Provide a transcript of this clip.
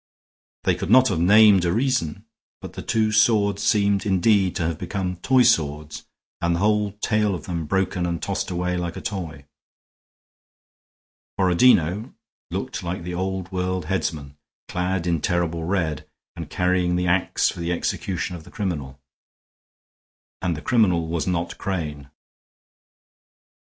They could not have named a reason, but the two swords seemed indeed to have become toy swords and the whole tale of them broken and tossed away like a toy. Borodino looked like the Old World headsman, clad in terrible red, and carrying the ax for the execution of the criminal. And the criminal was not Crane. Mr.